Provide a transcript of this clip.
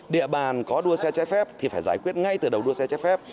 địa bàn có đua xe chế phép thì phải giải quyết ngay từ đầu đua xe chế phép